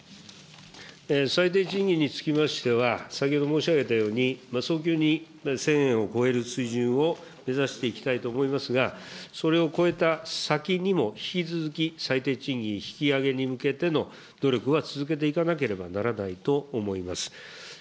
最低賃金につきましては、先ほど申し上げたように、早急に１０００円を超える水準を目指していきたいと思いますが、それを超えた先にも、引き続き最低賃金引き上げに向けての努力は続けていかなければならないと思います。